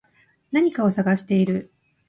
何かを探している